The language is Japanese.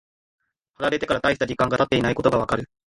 貼られてから大して時間が経っていないことがわかる。